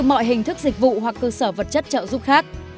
mọi hình thức dịch vụ hoặc cơ sở vật chất trợ giúp khác